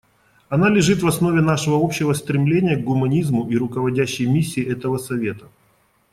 Она лежит в основе нашего общего стремления к гуманизму и руководящей миссии этого Совета.